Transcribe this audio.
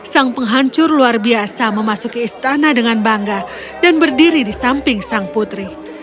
sang penghancur luar biasa memasuki istana dengan bangga dan berdiri di samping sang putri